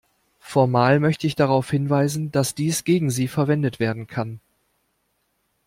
Formal möchte ich darauf hinweisen, dass dies gegen Sie verwendet werden kann.